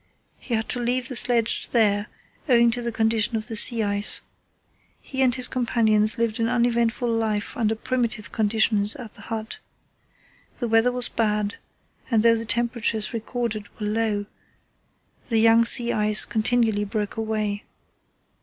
He had to leave the sledge there owing to the condition of the sea ice. He and his companions lived an uneventful life under primitive conditions at the hut. The weather was bad, and though the temperatures recorded were low, the young sea ice continually broke away.